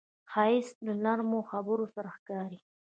ښایست له نرمو خبرو سره ښکاري